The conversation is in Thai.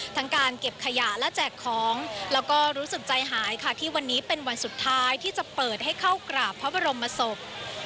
การเก็บขยะและแจกของแล้วก็รู้สึกใจหายค่ะที่วันนี้เป็นวันสุดท้ายที่จะเปิดให้เข้ากราบพระบรมศพ